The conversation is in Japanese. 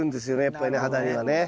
やっぱりねハダニはね。